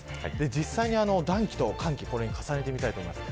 実際に暖気と寒気これに重ねてみたいと思います。